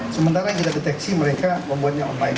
sementara yang tidak deteksi mereka membuatnya online